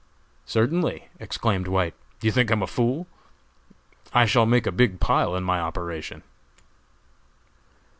"Certainly," exclaimed White; "do you think I am a fool? I shall make a big pile in my operation."